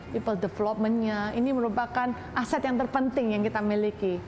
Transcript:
people developmentnya ini merupakan aset yang terpenting yang kita miliki